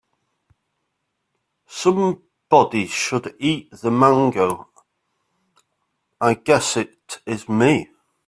Somebody should eat the mango, I guess it is me.